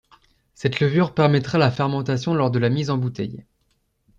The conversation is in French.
Cette levure permettra la fermentation lors de la mise en bouteille.